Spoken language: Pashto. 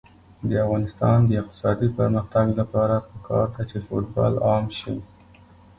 د افغانستان د اقتصادي پرمختګ لپاره پکار ده چې فوټبال عام شي.